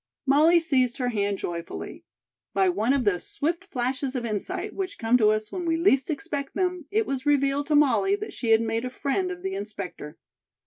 Molly seized her hand joyfully. By one of those swift flashes of insight which come to us when we least expect them, it was revealed to Molly that she had made a friend of the inspector.